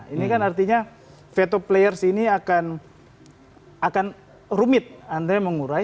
ini kan artinya veto players ini akan rumit and mengurai